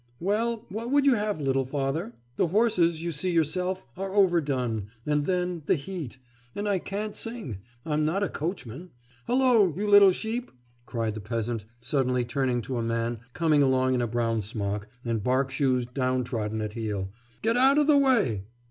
'Well, what would you have, little father? The horses, you see yourself, are overdone... and then the heat; and I can't sing. I'm not a coachman.... Hullo, you little sheep!' cried the peasant, suddenly turning to a man coming along in a brown smock and bark shoes downtrodden at heel. 'Get out of the way!